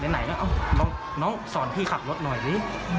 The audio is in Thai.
แล้วก็ไหนน้องสอนพี่ขับรถหน่อยสิ